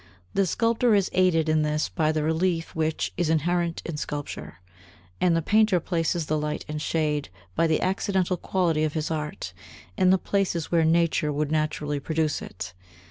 The sculptor is aided in this by the relief which is inherent in sculpture, and the painter places the light and shade, by the accidental quality of his art, in the places where nature would naturally produce it.